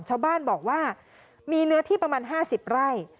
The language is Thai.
ชาวบ้านบอกว่ามีเนื้อที่ประมาณ๕๐ไร่